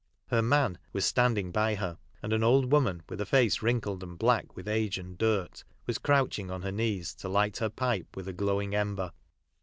Her " man " was standing by her, and an old woman, with a face wrinkled and black with age and dirt, was crouching on her knees to light her pipe with a glowing ember.